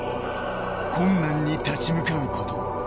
困難に立ち向かうこと。